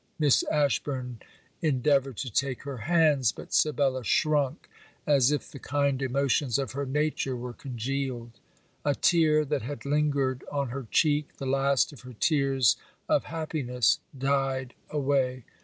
Miss Ashburn endeavoured to take her hands; but Sibella shrunk as if the kind emotions of her nature were congealed. A tear that had lingered on her cheek, the last of her tears of happiness, died away.